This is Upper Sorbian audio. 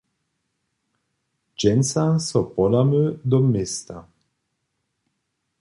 Dźensa so podamy do města.